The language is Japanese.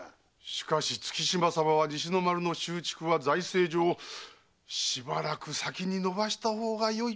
しかし月島様は西の丸の修築は財政上しばらく先に延ばした方がよいと申されているとか。